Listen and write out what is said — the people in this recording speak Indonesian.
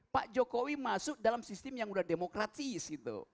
pak jokowi masuk dalam sistem yang sudah demokrasi